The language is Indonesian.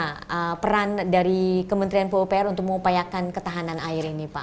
nah sejauh mana peran dari kementerian pupr untuk mengupayakan ketahanan air ini pak